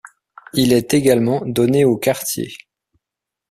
Il est également donné au quartier.